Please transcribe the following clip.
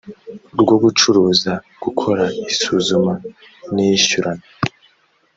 rwo gucuruza gukora isuzuma n iyishyurana